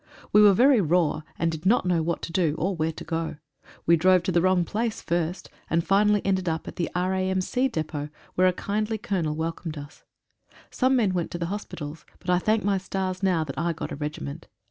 We were very raw, and did not know what to do, or where to go. We drove to the wrong place first, and finally ended up at the R.A.M.C. depot, where a kindly Colonel welcomed us. Some men went to hospitals, but I thank my stars now that I got a regiment.